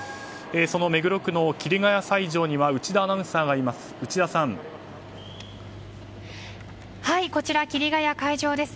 その目黒区の桐ヶ谷斎場には内田アナウンサーがいます。